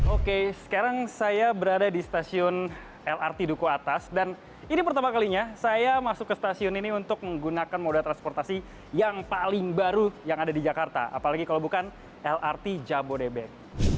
oke sekarang saya berada di stasiun lrt duku atas dan ini pertama kalinya saya masuk ke stasiun ini untuk menggunakan moda transportasi yang paling baru yang ada di jakarta apalagi kalau bukan lrt jabodebek